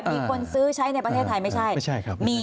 มีคนซื้อใช้ในประเทศไทยไม่ใช่ครับ